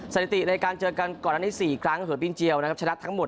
สถิติในการเจอกันก่อนอันนี้๔ครั้งหัวบินเจียวนะครับชนะทั้งหมด